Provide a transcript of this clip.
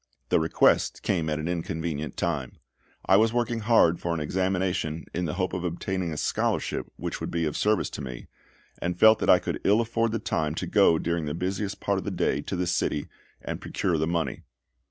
The request came at an inconvenient time. I was working hard for an examination in the hope of obtaining a scholarship which would be of service to me, and felt that I could ill afford the time to go during the busiest part of the day to the city and procure the money.